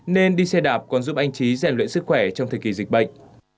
nên đi xe đạp còn giúp anh trí rèn luyện sức khỏe trong thời kỳ dịch bệnh